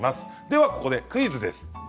では、ここでクイズです。